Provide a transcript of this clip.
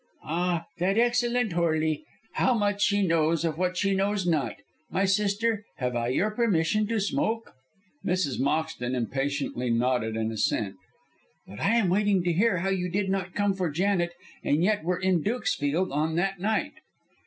"Ah, that excellent Horley! How much she knows of what she knows not. My sister, have I your permission to smoke?" Mrs. Moxton impatiently nodded an assent. "But I am waiting to hear how you did not come for Janet and yet were in Dukesfield on that night."